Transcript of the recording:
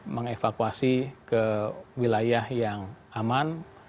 mengevakuasi ke wilayah yang aman